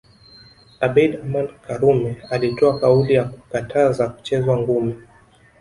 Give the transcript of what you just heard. Abeid Aman Karume alitoa kauli ya kukataza kuchezwa ngumi